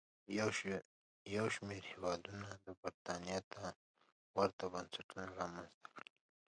یو شمېر هېوادونو برېټانیا ته ورته بنسټونه رامنځته کړل.